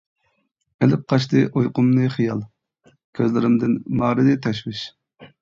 ئېلىپ قاچتى ئۇيقۇمنى خىيال، كۆزلىرىمدىن مارىدى تەشۋىش.